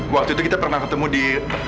waktu itu kita pernah ketemu di